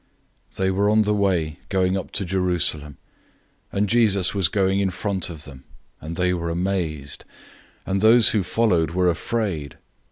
010:032 They were on the way, going up to Jerusalem; and Jesus was going in front of them, and they were amazed; and those who followed were afraid.